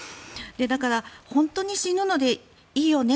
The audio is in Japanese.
だから本当に死ぬのでいいよね？